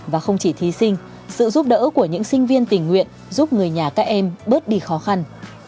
và không chỉ thí sinh sự giúp đỡ của những sinh viên tình nguyện giúp người nhà các em bớt đi khó khăn